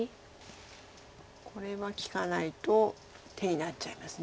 これは利かないと手になっちゃいます。